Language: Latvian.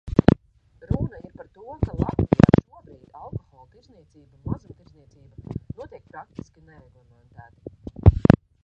Runa ir par to, ka Latvijā šobrīd alkohola tirdzniecība, mazumtirdzniecība, notiek praktiski nereglamentēti.